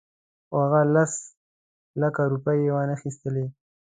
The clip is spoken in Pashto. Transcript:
خو هغه لس لکه روپۍ یې وانخیستلې.